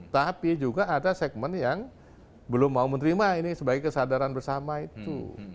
tapi juga ada segmen yang belum mau menerima ini sebagai kesadaran bersama itu